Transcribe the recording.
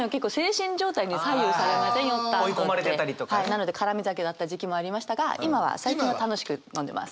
なので絡み酒だった時期もありましたが今は最近は楽しく飲んでます。